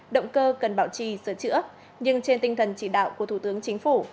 động cơ cần bảo trì sửa chữa nhưng trên tinh thần chỉ đạo của thủ tướng chính phủ